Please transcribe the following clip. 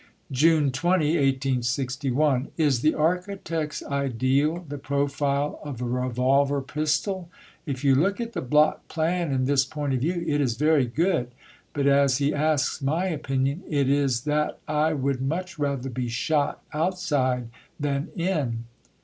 (June 20, 1861): "Is the Architect's ideal the profile of a revolver pistol? If you look at the block plan in this point of view, it is very good. But as he asks my opinion, it is that I would much rather be shot outside than in.